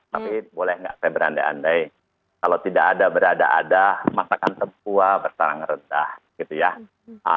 tapi boleh nggak saya berandai andai kalau tidak ada berada ada masakan tepua bersarang rendah gitu ya